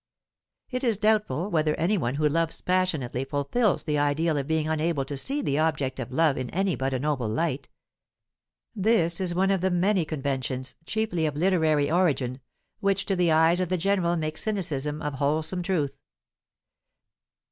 It is doubtful whether any one who loves passionately fulfils the ideal of being unable to see the object of love in any but a noble light; this is one of the many conventions, chiefly of literary origin, which to the eyes of the general make cynicism of wholesome truth.